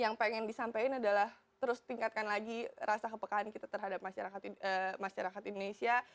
yang pengen disampaikan adalah terus tingkatkan lagi rasa kepekaan kita terhadap masyarakat indonesia